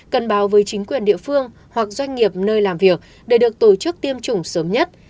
cần báo với chính quyền địa phương hoặc doanh nghiệp nơi làm việc để được tổ chức tiêm chủng sớm nhất